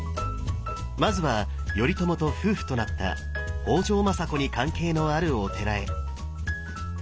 まずは頼朝と夫婦となった北条政子に関係のあるお寺へ。